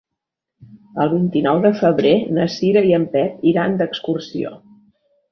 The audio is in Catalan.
El vint-i-nou de febrer na Cira i en Pep iran d'excursió.